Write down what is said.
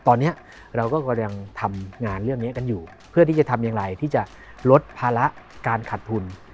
ตอนนี้เราก็กำลังทำงานเรื่องนี้กันอยู่เพื่อที่จะทำอย่างไรที่จะลดภาระการขัดทุน